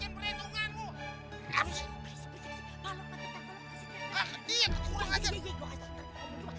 yang nabrak si rawondo si mali sama si tarimiji